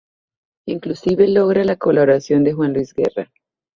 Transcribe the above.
Inclusive logra la colaboración de Juan Luis Guerra.